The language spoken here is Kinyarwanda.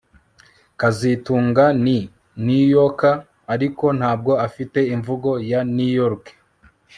kazitunga ni New Yorker ariko ntabwo afite imvugo ya New York